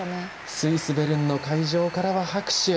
スイス・ベルンからの会場からは拍手。